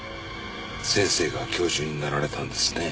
先生が教授になられたんですね。